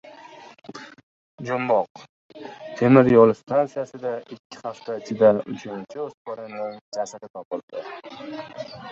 Jumboq: temir yo‘l stansiyasida ikki hafta ichida uchinchi o‘spirinning jasadi topildi